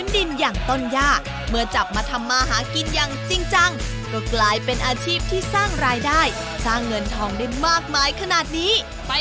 นี่ไม่ง่ายเลยนะคะสำหรับการแซะหญ้าเนี่ยค่ะ